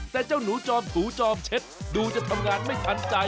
แต่เจ้าหนูจอมถูจอมเช็ดดูจะทำงานไม่ทันใจ